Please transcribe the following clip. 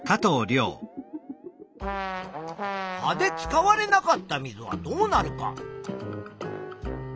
葉で使われなかった水はどうなるか。